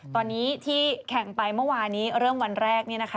ตอนนี้ที่แข่งไปเมื่อวานี้เริ่มวันแรก